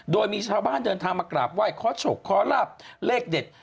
โดยมีชาวบ้านเดินทางมากราบไหว้ขอโชคขอลาบเลขเด็ด